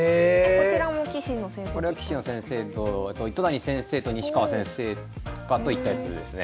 これは棋士の先生と糸谷先生と西川先生とかと行ったやつですね。